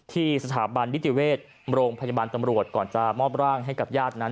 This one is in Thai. ที่สถาบันนิติเวชโรงพยาบาลตำรวจก่อนจะมอบร่างให้กับญาตินั้น